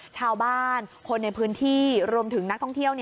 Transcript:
ชาวบ้านคนในพื้นที่รวมถึงนักท่องเที่ยว